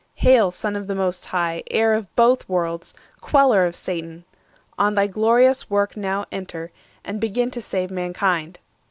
Hail, Son of the Most High, heir of both Worlds, Queller of Satan! On thy glorious work Now enter, and begin to save Mankind."